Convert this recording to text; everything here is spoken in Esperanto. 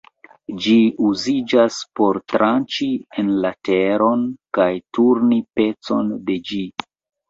Ĝi uziĝas por tranĉi en la teron kaj turni pecon de ĝi.